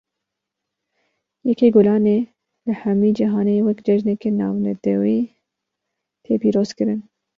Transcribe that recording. Yekê Gulanê, li hemî cihanê wek cejneke navnetewî tê pîroz kirin